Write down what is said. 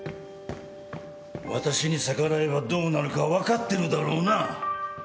私に逆らえばどうなるか分かってるだろうな？